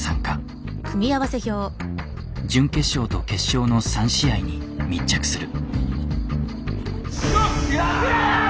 準決勝と決勝の３試合に密着する。